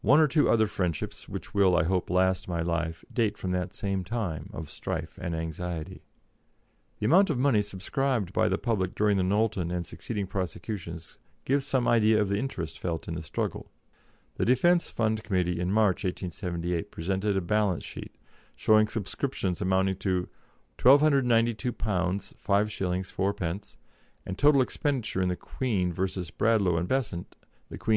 One or two other friendships which will, I hope, last my life, date from that same time of strife and anxiety. The amount of money subscribed by the public during the Knowlton and succeeding prosecutions gives some idea of the interest felt in the struggle. The Defence Fund Committee in March, 1878, presented a balance sheet, showing subscriptions amounting to £1,292 5s. 4d., and total expenditure in the Queen v. Bradlaugh and Besant, the Queen v.